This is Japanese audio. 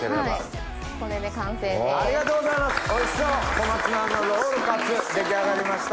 小松菜のロールカツ出来上がりました。